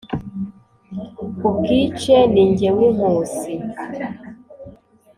ubwice ni jye w’inkusi.